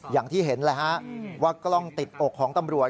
อย่างที่เห็นแหละฮะว่ากล้องติดอกของตำรวจ